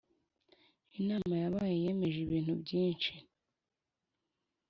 Inama yabaye yemeje ibintu byinshi